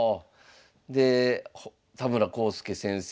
で田村康介先生。